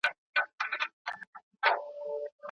د هرات محاصره څنګه پای ته ورسېده؟